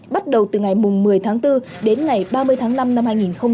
bắt đầu từ ngày một mươi tháng bốn đến ngày ba mươi tháng năm năm hai nghìn hai mươi